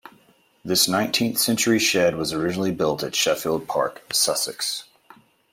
This nineteenth-century shed was originally built at Sheffield Park, Sussex.